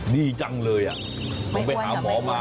ดีจังเลยผมไปหาหมอมา